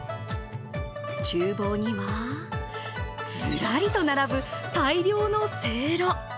ちゅう房にはずらりと並ぶ大量のせいろ。